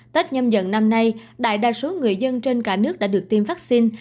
tết nhâm dần năm nay đại đa số người dân trên cả nước đã được tiêm vaccine